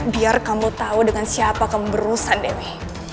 biar kamu tahu dengan siapa kamu berusan dewi